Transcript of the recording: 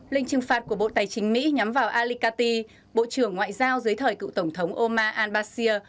lệnh trừng phạt của bộ tài chính mỹ nhắm vào ali kati bộ trưởng ngoại giao dưới thời cựu tổng thống omar al basir